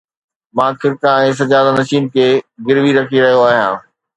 مان خرقه ۽ سجاده نشين کي گروي رکي رهيو آهيان